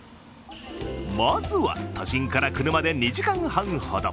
まずは都心から車で２時間半ほど。